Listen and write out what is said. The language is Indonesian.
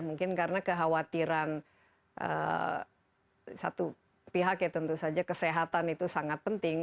mungkin karena kekhawatiran satu pihak ya tentu saja kesehatan itu sangat penting